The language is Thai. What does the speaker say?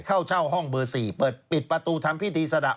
เข้าเช่าห้องเบอร์๔เปิดปิดประตูทำพิธีสะดะ